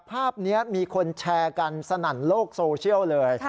ภาพนี้มีคนแชร์กันสนั่นโลกโซเชียลเลย